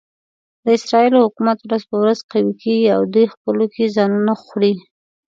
د اسرایلو حکومت ورځ په ورځ قوي کېږي او دوی خپلو کې ځانونه خوري.